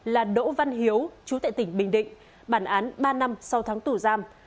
là đỗ văn hiếu chú tại tỉnh bình định bản án ba năm sau tháng tù giam